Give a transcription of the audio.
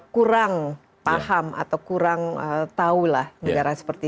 kurang paham atau kurang tahulah negara seperti